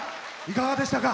いかがでしたか？